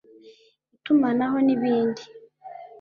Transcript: itumanaho n’ibindi